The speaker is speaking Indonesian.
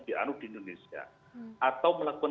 dianu di indonesia atau melakukan